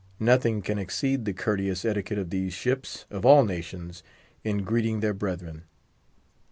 Nothing can exceed the courteous etiquette of these ships, of all nations, in greeting their brethren.